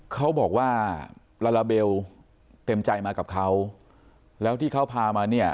เขาบอกว่าลาลาเบลเต็มใจมากับเขาแล้วที่เขาพามาเนี่ย